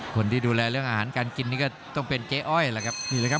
คนที่ดูแลเรื่องอาหารการกินนี่ก็ต้องเป็นเก๊อ้อยล่ะครับ